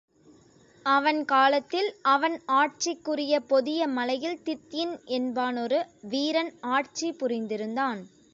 அவன் காலத்தில் அவன் ஆட்சிக்குரிய பொதிய மலையில் திதிய்ன் என்பானொரு வீரன் ஆட்சி புரிந்திருந்தான்.